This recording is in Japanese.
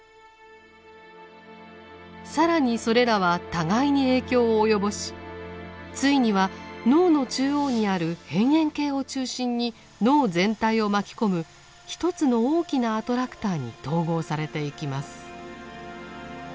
更にそれらは互いに影響を及ぼしついには脳の中央にある辺縁系を中心に脳全体を巻き込む一つの大きなアトラクターに統合されていきます。